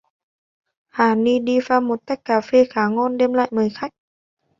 Hà ni đi pha một tách cà phê khá ngon đem lại mời khách